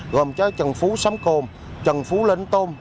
gồm cho trần phú sám cồn trần phú lên tôn